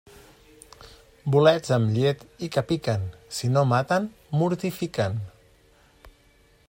Bolets amb llet i que piquen, si no maten, mortifiquen.